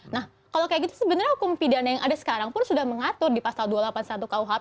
nah kalau kayak gitu sebenarnya hukum pidana yang ada sekarang pun sudah mengatur di pasal dua ratus delapan puluh satu kuhp